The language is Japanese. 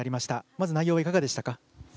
まず内容はいかがでしたか？